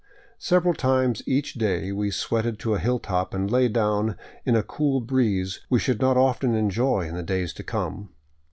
Several times each day we sweated to a hilltop and lay down in a cool breeze we should not often enjoy in the days to come.